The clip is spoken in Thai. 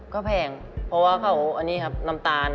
ก็แพงเพราะว่าเขาอันนี้ครับน้ำตาล